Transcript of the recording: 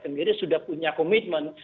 sendiri sudah punya komitmen